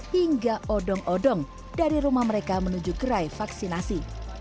hingga odong odong dari rumah mereka menuju gerai vaksinasi